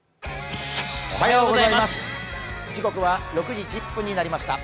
時刻は６時１０分になりました